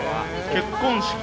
結婚式？